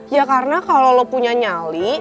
ya karena kalau lo punya nyali